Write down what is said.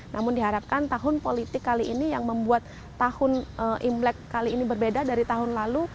namun diharapkan tahun politik kali ini yang membuat tahun imlek kali ini berbeda dari tahun lalu